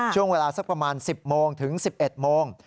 ช่วงเวลาสักประมาณ๑๐โมงถึง๑๑โมง